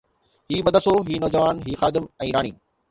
هي مدرسو، هي نوجوان، هي خادم ۽ راڻي